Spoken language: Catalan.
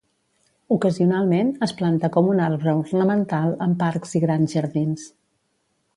Ocasionalment es planta com un arbre ornamental en parcs i grans jardins.